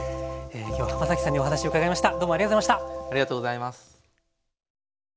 今日はさんにお話を伺いました。